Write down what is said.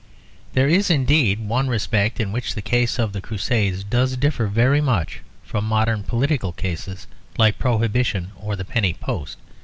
There is indeed one respect in which the case of the Crusade does differ very much from modern political cases like prohibition or the penny post.